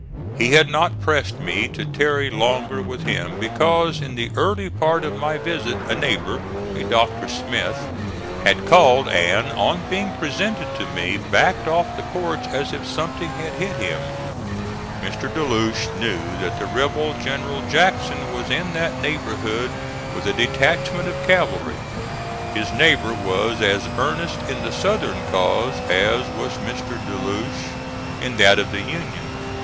He had not pressed me to tarry longer with him because in the early part of my visit a neighbor, a Dr. Smith, had called and, on being presented to me, backed off the porch as if something had hit him. Mr. De Loche knew that the rebel General Jackson was in that neighborhood with a detachment of cavalry. His neighbor was as earnest in the southern cause as was Mr. De Loche in that of the Union.